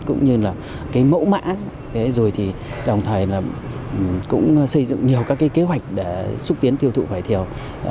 cũng như mẫu mã đồng thời xây dựng nhiều kế hoạch để xúc tiến tiêu thụ vải thiều